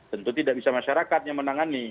tentu tidak bisa masyarakatnya menangani